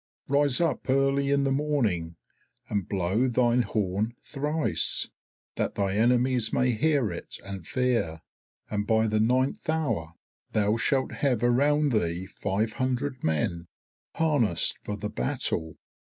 Rise up early in the morning, and blow thine horn thrice, that thy enemies may hear it and fear, and by the ninth hour thou shalt have around thee five hundred men harnassed for the battle.